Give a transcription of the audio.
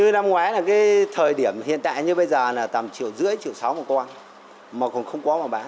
năm ngoái là thời điểm hiện tại như bây giờ là tầm triệu rưỡi triệu sáu một con mà còn không có mà bán